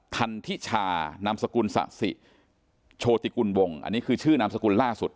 พันธิชานามสกุลสะสิโชติกุลวงอันนี้คือชื่อนามสกุลล่าสุด